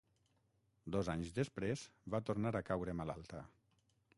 Dos anys després, va tornar a caure malalta.